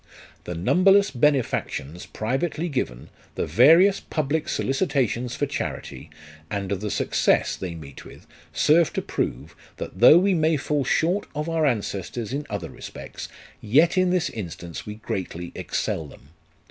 The numberless benefactions privately given, the various public solicitations for charity, and the success they meet with, serve to prove, that though we may fall short of our ancestors in other respects, yet in this instance we greatly excel them.